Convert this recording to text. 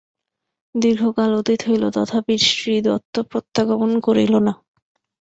দীর্ঘ কাল অতীত হইল তথাপি শ্রীদত্ত প্রত্যাগমন করিল না।